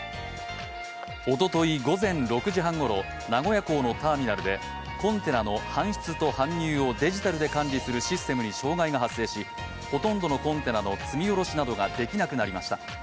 おととい午前６時半ごろ、名古屋港のターミナルでコンテナの搬出と搬入をデジタルで管理するシステムに障害が発生しほとんどのコンテナの積み降ろしなどができなくなりました。